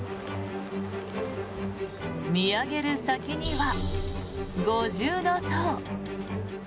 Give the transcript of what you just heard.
見上げる先には、五重塔。